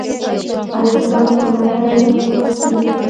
ایا ستاسو هټۍ به خلاصیږي؟